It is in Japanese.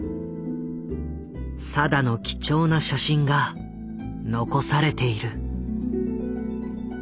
定の貴重な写真が残されている。